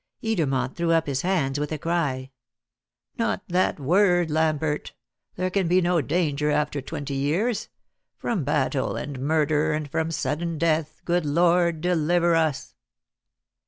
Edermont threw up his hands with a cry. "Not that word, Lambert; there can be no danger after twenty years. 'From battle and murder, and from sudden death, good Lord, deliver us.'"